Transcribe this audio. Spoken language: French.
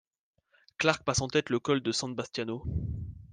Clarke passe en tête le col de San Bastiano.